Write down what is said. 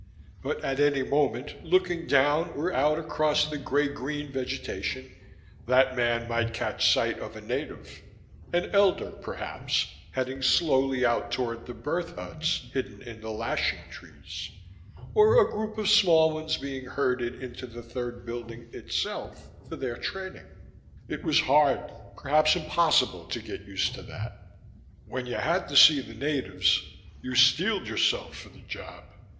But at any moment, looking down or out across the gray green vegetation, that man might catch sight of a native an Elder, perhaps heading slowly out toward the Birth Huts hidden in the lashing trees, or a group of Small Ones being herded into the Third Building itself for their training. It was hard, perhaps impossible, to get used to that: when you had to see the natives you steeled yourself for the job.